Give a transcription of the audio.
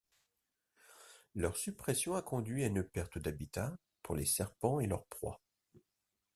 Leur suppression a conduit à une perte d'habitat pour les serpents et leurs proies.